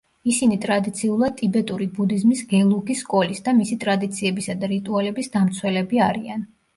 ისინი ტრადიციულად ტიბეტური ბუდიზმის გელუგის სკოლის და მისი ტრადიციებისა და რიტუალების დამცველები არიან.